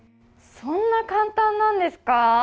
そんな簡単なんですか？